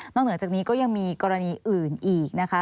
เหนือจากนี้ก็ยังมีกรณีอื่นอีกนะคะ